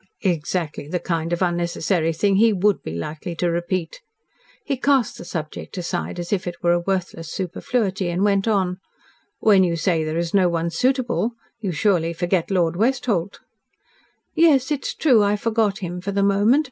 "Exactly the kind of unnecessary thing he would be likely to repeat." He cast the subject aside as if it were a worthless superfluity and went on: "When you say there is no one suitable, you surely forget Lord Westholt." "Yes, it's true I forgot him for the moment.